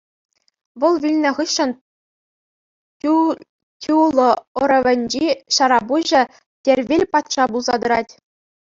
Вӑл вилнӑ хыҫҫӑн Тӳлӑ ӑрӑвӗнчи ҫарпуҫӗ Тервел патша пулса тӑрать.